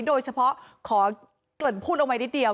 โดยเฉพาะขอเกริ่นพูดเอาไว้นิดเดียว